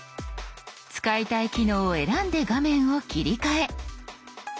使いたい機能を選んで画面を切り替え。